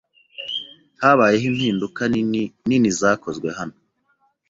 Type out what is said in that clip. Habayeho impinduka nini nini zakozwe hano.